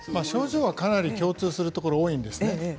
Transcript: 症状は、かなり共通するところが多いです。